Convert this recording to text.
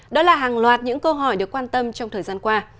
đó là hàng loạt những câu hỏi được quan tâm trong thời gian qua